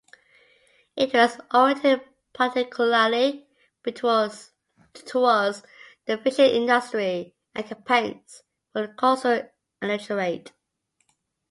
It was oriented particularly towards the fishing industry and campaigns for the coastal electorate.